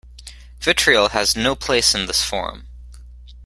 Vitriol has no place in this forum.